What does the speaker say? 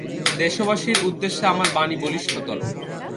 দেশবাসীর উদ্দেশে আমার বাণী বলিষ্ঠতর।